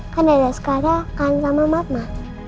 kan dada askar akan sama mama